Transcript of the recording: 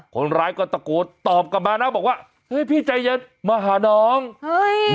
คนร้ายก็ตะโกนตอบกลับมานะบอกว่าเฮ้ยพี่ใจเย็นมาหาน้องเฮ้ย